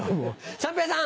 三平さん。